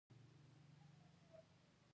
بدرنګه چاپېریال د ارام مزاحمت کوي